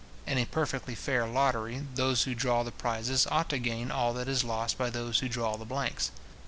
In a perfectly fair lottery, those who draw the prizes ought to gain all that is lost by those who draw the blanks.